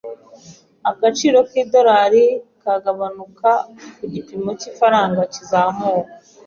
Agaciro k'idolari kagabanuka uko igipimo cy'ifaranga kizamuka.